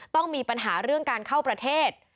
ต้องมีปัญหาเรื่องการเข้าประเทศ